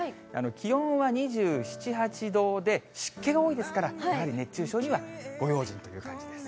気温は２７、８度で、湿気が多いですから、やはり熱中症にはご用心という感じです。